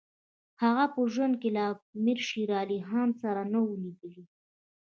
هغه په ژوند کې له امیر شېر علي خان سره نه وو لیدلي.